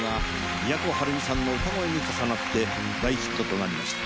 都はるみさんの歌声に重なって大ヒットとなりました。